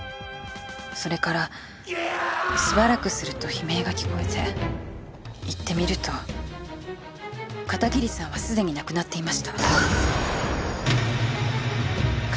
それからしばらくすると悲鳴が聞こえて行ってみると片桐さんはすでに亡くなっていました。